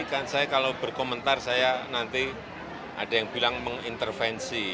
kan saya kalau berkomentar saya nanti ada yang bilang mengintervensi